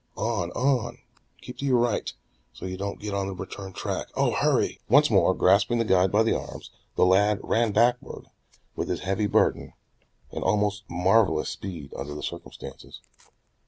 "On, on! Keep to your right so you don't get on the return track. Oh, Hurry!" Tad had already gotten into action. Once more grasping the guide by the arms, the lad ran backward with his heavy burden, with almost marvelous speed under the circumstances.